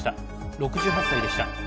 ６８歳でした。